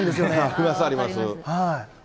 あります、あります。